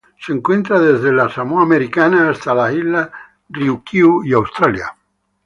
Se encuentra desde la Samoa Americana hasta las Islas Ryukyu y Australia.